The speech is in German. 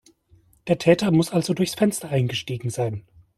Der Täter muss also durchs Fenster eingestiegen sein.